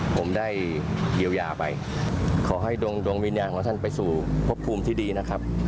ผมได้เยียวยาไปขอให้ดวงดวงวิญญาณของท่านไปสู่พบภูมิที่ดีนะครับ